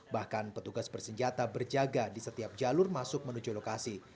bahkan petugas bersenjata berjaga di setiap jalur masuk menuju lokasi